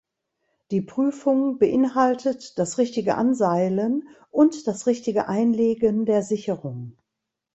Die Prüfung beinhaltet das richtige Anseilen und das richtige Einlegen der Sicherung.